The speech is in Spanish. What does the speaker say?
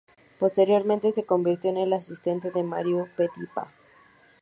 Posteriormente se convirtió en el asistente de Marius Petipa.